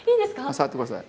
触ってください。